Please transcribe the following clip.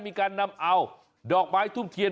มีการนำเอาดอกไม้ทุ่มเทียน